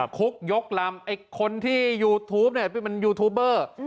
คุกยกลำคนที่ยูทูปมันยูทูปเบอร์